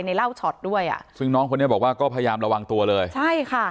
เล่าช็อตด้วยอ่ะซึ่งน้องคนนี้บอกว่าก็พยายามระวังตัวเลยใช่ค่ะ